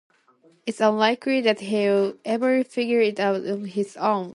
It's unlikely that he'll ever figure it out on his own.